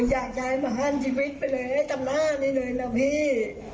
อยากยายมาห้านชีวิตไปเลยจำหน้านี่เลยนะพี่